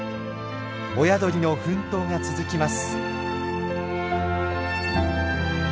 親鳥の奮闘が続きます。